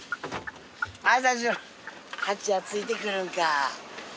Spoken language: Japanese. ハチヤついてくるんか。